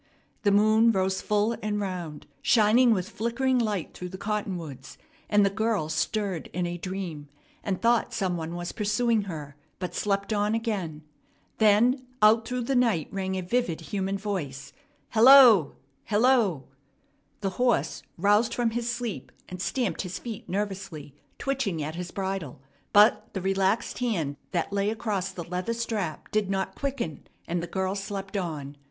The moon rose full and round, shining with flickering light through the cottonwoods; and the girl stirred in a dream and thought some one was pursuing her, but slept on again. Then out through the night rang a vivid human voice, "Hello! Hello!" The horse roused from his sleep, and stamped his feet nervously, twitching at his bridle; but the relaxed hand that lay across the leather strap did not quicken, and the girl slept on.